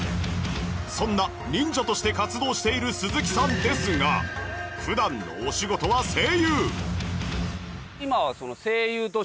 そんな忍者として活動している鈴木さんですが普段のお仕事は声優